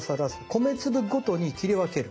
米粒ごとに切り分ける。